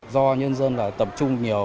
do nhân dân là tập trung nhiều